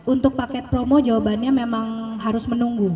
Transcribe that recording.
untuk paket promo jawabannya memang harus menunggu